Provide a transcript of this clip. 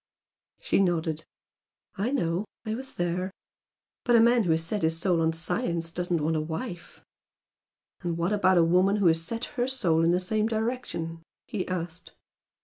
She nodded. "I know! I was there. But a man who has set his soul on science doesn't want a wife." "And what about a woman who has set her soul in the same direction?" he asked.